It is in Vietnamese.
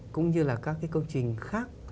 cũng như là các cái công trình khác